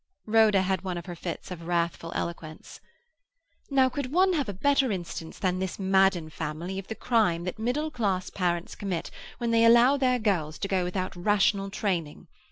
Rhoda had one of her fits of wrathful eloquence. "Now could one have a better instance than this Madden family of the crime that middle class parents commit when they allow their girls to go without rational training?